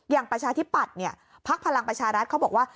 อย่างประชาธิบัติภาคพลังประชารัฐเขาบอกว่า